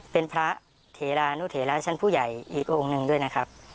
เป็นพระเถรานุเถระชั้นผู้ใหญ่อีกองค์หนึ่งด้วยนะครับ